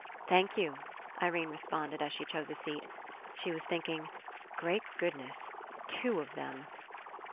"Thank you." Irene responded, as she chose a seat. She was thinking: "Great good ness! Two of them."